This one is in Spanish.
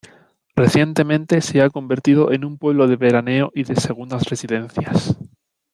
Recientemente se ha convertido en un pueblo de veraneo y de segundas residencias.